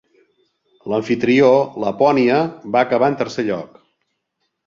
L'amfitrió, Lapònia, va acabar en tercer lloc.